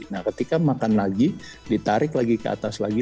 nah ketika makan lagi ditarik lagi ke atas lagi